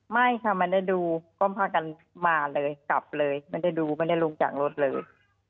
ไม่ค่ะไม่ได้ดูก็พากันมาเลยกลับเลยไม่ได้ดูไม่ได้ลงจากรถเลย